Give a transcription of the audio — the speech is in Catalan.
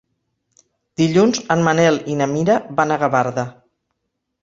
Dilluns en Manel i na Mira van a Gavarda.